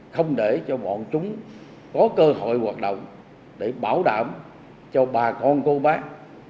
không để cho bọn chúng có cơ hội hoạt động để bảo đảm cho bà con cô bác